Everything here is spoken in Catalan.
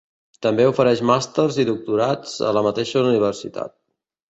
També ofereix màsters i doctorats a la mateixa universitat.